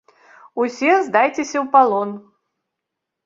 Усе здайцеся ў палон.